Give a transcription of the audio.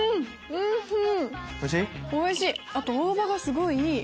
おいしい！